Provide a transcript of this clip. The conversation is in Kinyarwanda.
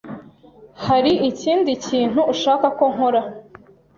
Hari ikindi kintu ushaka ko nkora?